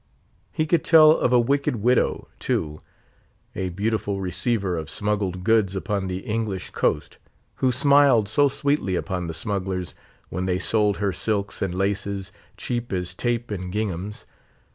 He could tell of a wicked widow, too—a beautiful receiver of smuggled goods upon the English coast—who smiled so sweetly upon the smugglers when they sold her silks and laces, cheap as tape and ginghams.